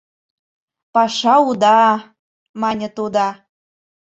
— Паша уда! — мане тудо.